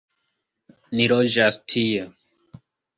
Ni loĝas tie.